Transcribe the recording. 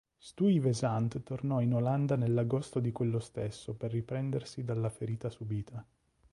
Stuyvesant tornò in Olanda nell'agosto di quello stesso per riprendersi dalla ferita subita.